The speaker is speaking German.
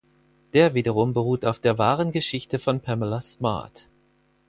Der wiederum beruht auf der wahren Geschichte von Pamela Smart.